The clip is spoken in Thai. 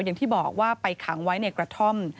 อย่างที่บอกว่าไปขังไว้ในกระท่อม